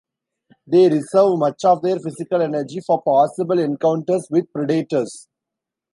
They reserve much of their physical energy for possible encounters with predators.